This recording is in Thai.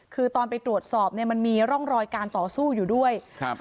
คือตอนไปตรวจสอบเนี่ยมันมีร่องรอยการต่อสู้อยู่ด้วยครับ